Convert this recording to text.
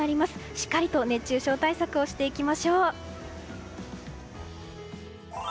しっかりと熱中症対策をしていきましょう。